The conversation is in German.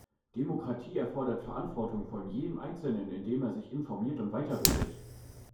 Demokratie erfordert Verantwortung von jedem einzelnen, indem er sich informiert und weiterbildet.